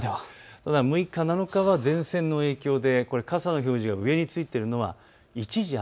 ただ６日、７日は前線の影響でこれ、傘の表示が上についているのは一時、雨。